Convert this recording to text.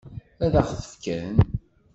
Ad ɣ-t-fken?